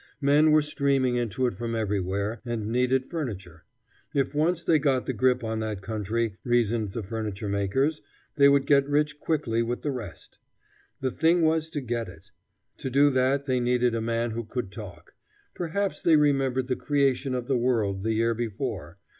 Men were streaming into it from everywhere, and needed furniture. If once they got the grip on that country, reasoned the furniture makers, they would get rich quickly with the rest. The thing was to get it. To do that they needed a man who could talk. Perhaps they remembered the creation of the world the year before.